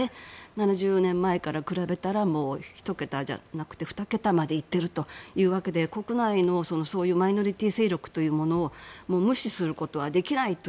７０年前から比べたら１桁じゃなくて２桁までいっているというわけで国内のマイノリティー勢力を無視することはできないと。